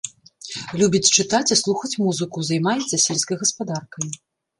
Любіць чытаць і слухаць музыку, займаецца сельскай гаспадаркай.